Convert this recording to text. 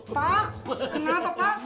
pak kenapa pak